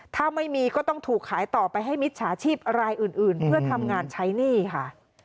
ถ้าไม่มีก็ต้องถูกขายต่อไปให้มิจฉาชีพรายอื่นเพื่อทำงานใช้หนี้ค่ะ